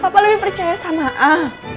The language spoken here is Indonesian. papa lebih percaya sama ah